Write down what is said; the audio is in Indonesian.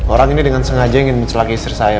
orang ini dengan sengaja ingin mencelak istri saya